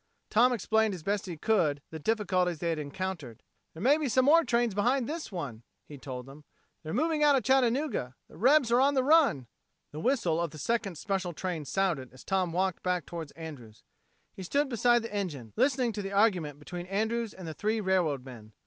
Tom explained as best he could the difficulties they had encountered. "There may be some more trains behind this one," he told them. "They're moving out of Chattanooga. The rebs are on the run!" The whistle of the second special train sounded as Tom walked back toward Andrews. He stood beside the engine, listening to the argument between Andrews and the three railroad men.